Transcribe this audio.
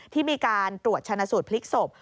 ที่มีการตรวจชนะสูตรพลิกศพ